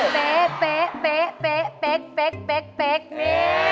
เต๊ะเต๊ะเต๊ะเต๊ะเต๊ะเต๊ะที่